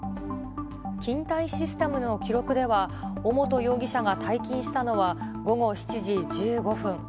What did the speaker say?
勤退システムの記録では、尾本容疑者が退勤したのは午後７時１５分。